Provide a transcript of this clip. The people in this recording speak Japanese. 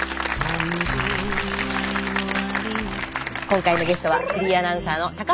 今回のゲストはフリーアナウンサーの高橋真麻さんです。